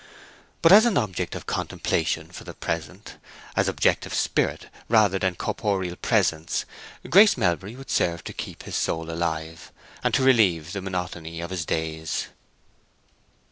But as an object of contemplation for the present, as objective spirit rather than corporeal presence, Grace Melbury would serve to keep his soul alive, and to relieve the monotony of his days.